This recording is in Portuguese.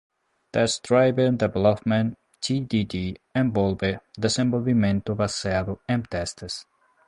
Test-Driven Development (TDD) envolve desenvolvimento baseado em testes.